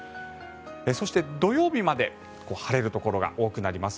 そして土曜日まで晴れるところが多くなります。